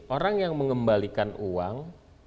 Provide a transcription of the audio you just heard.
orang yang mengembalikan uang